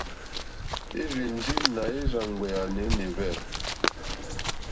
Érzènjé nà érzàɡbèáɛ́nɛ́hwɛ́.